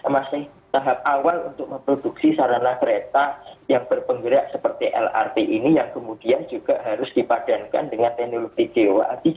masih tahap awal untuk memproduksi sarana kereta yang berpenggerak seperti lrt ini yang kemudian juga harus dipadankan dengan teknologi coach